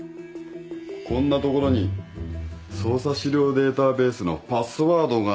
こんな所に捜査資料データベースのパスワードが！？